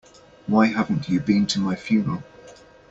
Why haven't you been to my funeral?